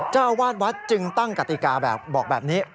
เจ้าอาวาสวัดจึงตั้งกติกาแบบบอกแบบนี้